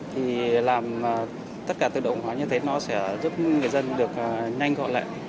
thì làm tất cả tự động hóa như thế nó sẽ giúp người dân được nhanh gọi lại